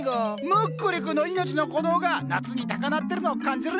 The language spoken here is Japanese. むっくり君の命の鼓動が夏に高鳴ってるのを感じるんや！